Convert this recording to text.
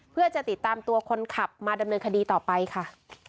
เพื่อจะติดตามตัวคนขับมาดำเนินคดีต่อไปค่ะ